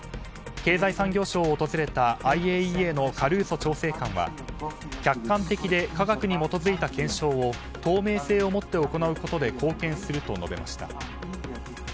経済産業省を訪れたＩＡＥＡのカルーソ調整官は客観的で科学に基づいた検証を透明性をもって行うことで貢献すると述べました。